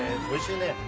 おいしいね。